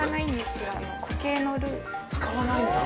使わないんだ。